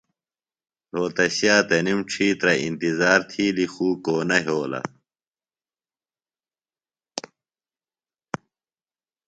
رہوتشیہ تنِم ڇھیترہ ا نتظار تھِیلیۡ خو کو نہ یھولہ۔